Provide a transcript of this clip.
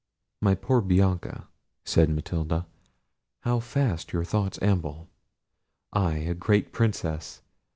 "My poor Bianca," said Matilda, "how fast your thoughts amble! I a great princess!